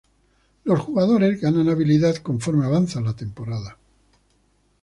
Los jugadores ganan habilidad conforme avanza la temporada.